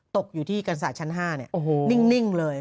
ตกอยู่ที่กันศาสชั้น๕นิ่งเลย